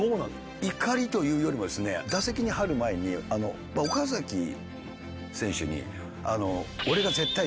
怒りというよりもですね打席に入る前に岡崎選手に。